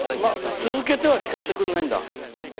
続けては聞かせてくれないんだ。